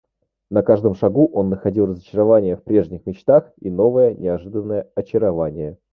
На каждом шагу он находил разочарование в прежних мечтах и новое неожиданное очарование.